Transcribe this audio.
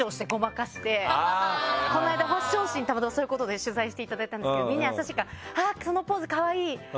この間ファッション誌にたまたまそういうことで取材していただいたんですけどみんな優しいから「そのポーズかわいい！